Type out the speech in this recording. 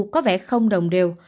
có vẻ không đồng đều